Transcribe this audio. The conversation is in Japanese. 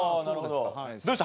どうでした？